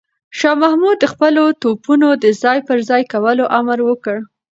شاه محمود د خپلو توپونو د ځای پر ځای کولو امر وکړ.